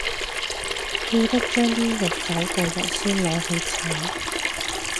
记得将啲肉走过油先攞去炒